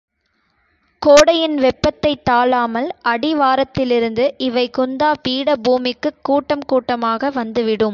கோடையின் வெப்பத்தைத் தாளாமல், அடி வாரத்திலிருந்து இவை குந்தா பீடபூமிக்குக் கூட்டம் கூட்டமாக வந்து விடும்.